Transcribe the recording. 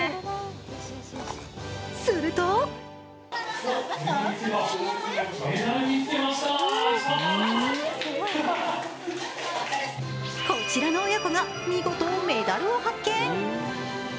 するとこちらの親子が見事、メダルを発見！